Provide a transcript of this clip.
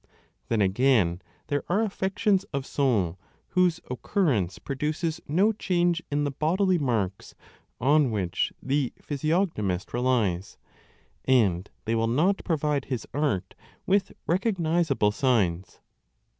1 Then again there are affections of soul whose occurrence produces no change in the bodily marks on which the r physiognomist relies, and they will not provide his art with recognizable signs.